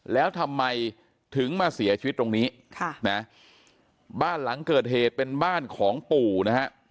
แล้วทำไมถึงมาเสียชีวิตตรงนี้ค่ะนะบ้านหลังเกิดเหตุเป็นบ้านของปู่นะฮะ